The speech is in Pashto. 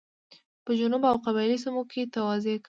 په جنوب او قبایلي سیمو کې توزېع کولې.